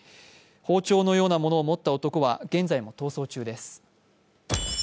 包丁のようなものを持った男は現在も逃走中です。